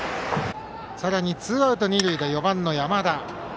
さらにツーアウト二塁で４番の山田。